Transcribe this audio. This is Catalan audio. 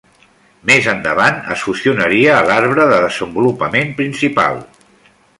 Més endavant es fusionaria a l'arbre de desenvolupament principal.